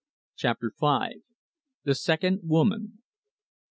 CHAPTER FIVE. THE SECOND WOMAN.